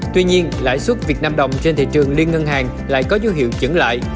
tuy nhiên lãi suất việt nam đồng trên thị trường liên ngân hàng lại có dấu hiệu chứng lại